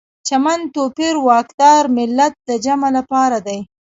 چمن، توپیر، واکدار، ملت د جمع لپاره دي.